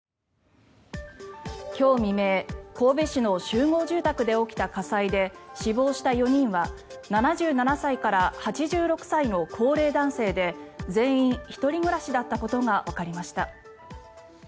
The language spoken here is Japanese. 今日未明、神戸市の集合住宅で起きた火災で死亡した４人は７７歳から８６歳の高齢男性で全員１人暮らしだったことがわかりました。